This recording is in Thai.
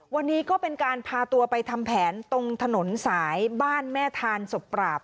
วันนี้ก็เป็นการพาตัวไปทำแผนตรงถนนสายบ้านแม่ทานศพปราบ